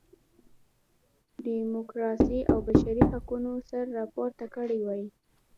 ډیموکراسۍ او بشري حقونو سر راپورته کړی وای.